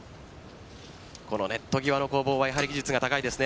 このネット際の攻防は技術が高いですね。